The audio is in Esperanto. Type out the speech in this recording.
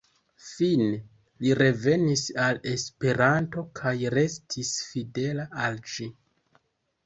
Fine, li revenis al Esperanto kaj restis fidela al ĝi.